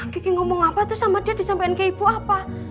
gigi ngomong apa terus sama dia disampaikan ke ibu apa